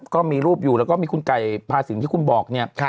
ก็มีรูปอยู่แล้วก็มีคุณไก่พาสินที่คุณบอกเนี่ย